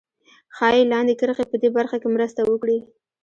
ښایي لاندې کرښې په دې برخه کې مرسته وکړي